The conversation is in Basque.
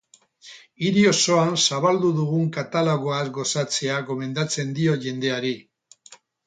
Hiri osoan zabaldu dugun katalogoaz gozatzea gomendatzen diot jendeari.